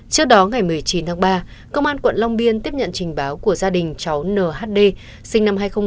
trước đó ngày một mươi chín tháng ba công an quận long biên tiếp nhận trình báo của gia đình cháu nhd sinh năm hai nghìn hai